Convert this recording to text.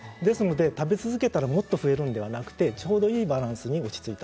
食べ続けたら、もっと増えるんじゃなくて、ちょうどいいバランスに落ち着いた。